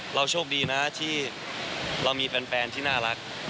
โชคดีนะที่เรามีแฟนที่น่ารัก